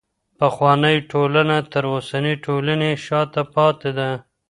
پخوانۍ ټولنه تر اوسنۍ ټولني شاته پاته وه.